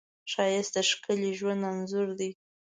ښایست د ښکلي ژوند انځور دی